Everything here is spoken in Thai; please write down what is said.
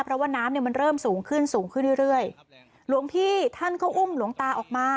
เพราะว่าน้ำเนี่ยมันเริ่มสูงขึ้นสูงขึ้นเรื่อยเรื่อยหลวงพี่ท่านก็อุ้มหลวงตาออกมา